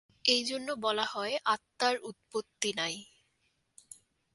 এই জন্য বলা হয়, আত্মার উৎপত্তি নাই।